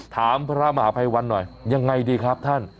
ถามพระมหาภัยวันหน่อยยังไงดีครับท่าน